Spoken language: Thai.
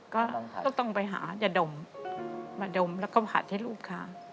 ก็ต้องไปหายาดมมาดมแล้วก็ผัดให้ลูกค้า